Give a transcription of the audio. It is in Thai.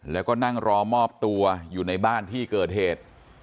แล้วก็นั่งรอมอบตัวอยู่ในบ้านที่เกิดเหตุ